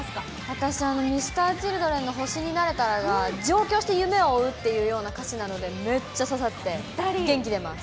私、Ｍｒ．Ｃｈｉｌｄｒｅｎのほしになれたらが、上京して夢を追うっていうような歌詞なので、めっちゃ刺さって、元気出ます。